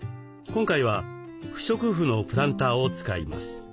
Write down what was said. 今回は不織布のプランターを使います。